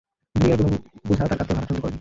দুনিয়ার কোন বোঝা তাঁর কাধকে ভারাক্রান্ত করেনি।